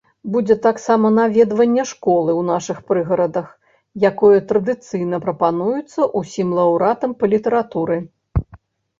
Будзе таксама наведванне школы ў нашых прыгарадах, якое традыцыйна прапануецца ўсім лаўрэатам па літаратуры.